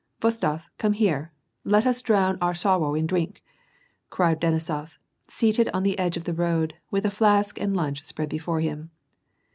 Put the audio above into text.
" Wostof , come here ! Let us dwown our sow'ow in dwink !" cried Denisof, seated on the edge of the road, with a flask and lunch spread before him.